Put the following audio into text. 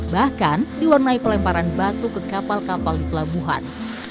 bahkan diwarnai pelemparan batu ke kapal kapal di pelabuhan